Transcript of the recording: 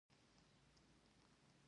آیا د انګورو باغونه د پښتنو پانګه نه ده؟